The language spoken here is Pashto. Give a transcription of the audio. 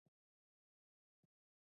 نفت د افغانستان د طبیعي پدیدو یو رنګ دی.